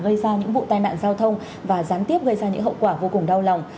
gây ra những vụ tai nạn giao thông và gián tiếp gây ra những hậu quả vô cùng đau lòng